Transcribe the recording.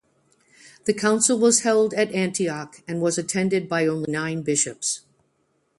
The council was held at Antioch, and was attended by only nine bishops.